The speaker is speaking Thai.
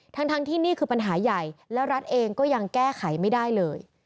ทั้งที่นี่คือปัญหาใหญ่แล้วรัฐเองก็ยังแก้ไขไม่ได้เลย